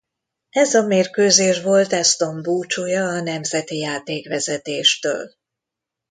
Ez a mérkőzés volt Aston búcsúja a nemzeti játékvezetéstől.